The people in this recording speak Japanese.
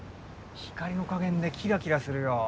光の加減でキラキラするよ